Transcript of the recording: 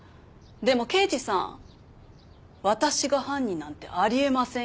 でも刑事さん私が犯人なんてありえませんよ。